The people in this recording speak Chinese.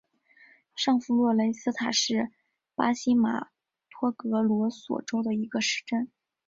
上弗洛雷斯塔是巴西马托格罗索州的一个市镇。